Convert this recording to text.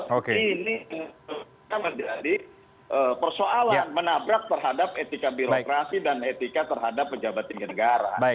ini menjadi persoalan menabrak terhadap etika birokrasi dan etika terhadap pejabat tinggi negara